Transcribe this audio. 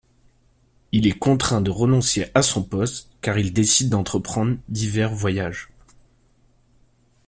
Il est contraint de renoncer à son poste car il décide d'entreprendre divers voyages.